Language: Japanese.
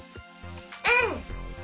うん！